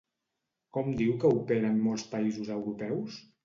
Com diu que operen molts països europeus?